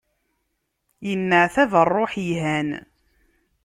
Yenneɛtab rruḥ, ihan.